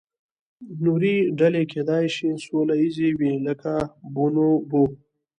نورې ډلې کیدای شي سوله ییزې وي، لکه بونوبو.